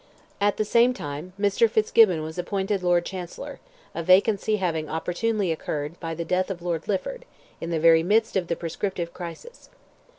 At the same time, Mr. Fitzgibbon was appointed Lord Chancellor, a vacancy having opportunely occurred, by the death of Lord Lifford, in the very midst of the prescriptive crisis.